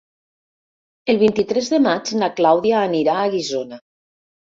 El vint-i-tres de maig na Clàudia anirà a Guissona.